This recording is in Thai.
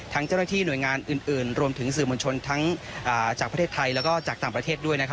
เจ้าหน้าที่หน่วยงานอื่นรวมถึงสื่อมวลชนทั้งจากประเทศไทยแล้วก็จากต่างประเทศด้วย